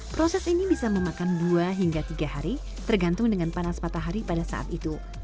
proses ini bisa memakan dua hingga tiga hari tergantung dengan panas matahari pada saat itu